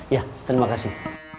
ya terima kasih